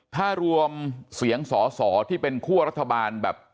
ถ้ารวมเสียงสอสอที่เป็นคั่วรัฐบาลแบบ